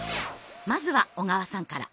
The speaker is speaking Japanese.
まずは小川さんから。